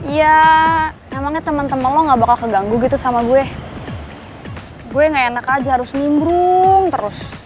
ya emangnya temen temen lo gak bakal keganggu gitu sama gue gue gak enak aja harus ningrung terus